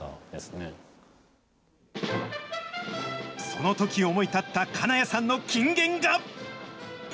そのとき思い立った金谷さんの金言が。